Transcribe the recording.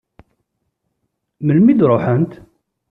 Melmi i d-ruḥent?